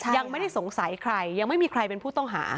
ยังไม่ได้สงสัยใครยังไม่มีใครเป็นผู้ต้องหา